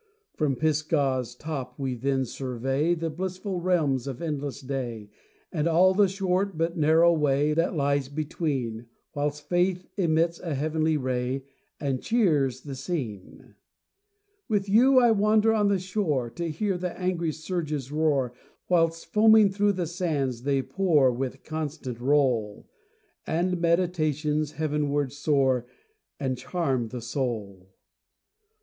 From Pisgah's top we then survey The blissful realms of endless day, And all the short but narrow way That lies between, Whilst Faith emits a heavenly ray, And cheers the scene. With you I wander on the shore To hear the angry surges roar, Whilst foaming through the sands they pour With constant roll, And meditations heavenward soar, And charm the soul.